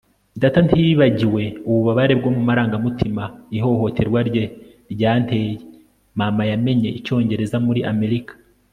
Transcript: data ntiyibagiwe ububabare bwo mumarangamutima ihohoterwa rye ryanteye. mama yamenye icyongereza muri amerika